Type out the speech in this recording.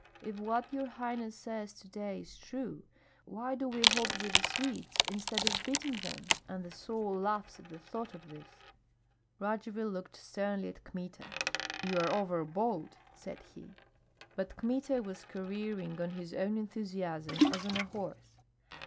If what your highness says to day is true, why do we hold with the Swedes, instead of beating them? and the soul laughs at the thought of this." Radzivill looked sternly at Kmita. "You are over bold!" said he. But Kmita was careering on his own enthusiasm as on a horse.